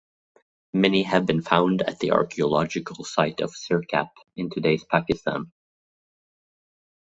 Many have been found at the archaeological site of Sirkap, in today's Pakistan.